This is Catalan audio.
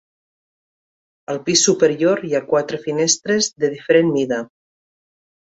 Al pis superior hi ha quatre finestres de diferent mida.